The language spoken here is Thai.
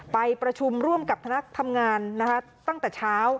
ไปประชุมร่วมกับคณะทำงานตั้งแต่เช้า